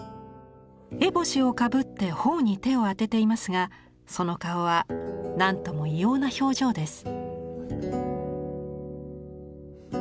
えぼしをかぶって頬に手を当てていますがその顔は何とも異様な表情です。